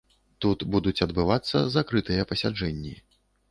Тут будуць адбывацца закрытыя пасяджэнні.